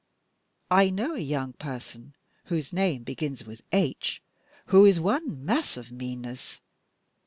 I know a young person, whose name begins with H, who is one mass of meanness.